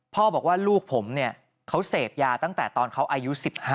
พ่อบอกว่าลูกผมเนี่ยเขาเสพยาตั้งแต่ตอนเขาอายุ๑๕